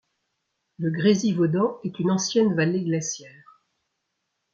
Le Grésivaudan est une ancienne vallée glaciaire.